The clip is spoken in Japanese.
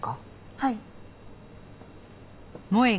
はい。